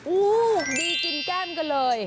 อู้วดีกินแก้มกันเลย